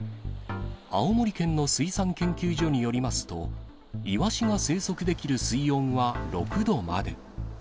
青森県の水産研究所によりますと、イワシが生息できる水温は６度まで。